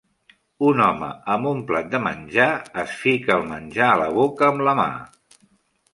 Un home amb un plat de menjar, es fica el menjar a la boca amb la mà.